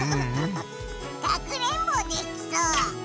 かくれんぼできそう！